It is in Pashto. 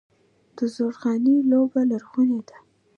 د زورخانې لوبه لرغونې ده.